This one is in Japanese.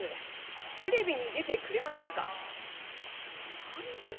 「何です。